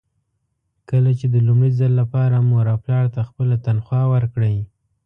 کله چې د لومړي ځل لپاره مور او پلار ته خپله تنخوا ورکړئ.